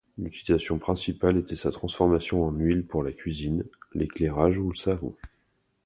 L'utilisation principale était sa transformation en huile pour la cuisine, l'éclairage ou le savon.